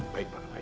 baik pak roy